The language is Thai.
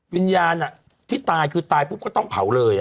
วิญญาณอะที่ตายก็ต้องเผาเลย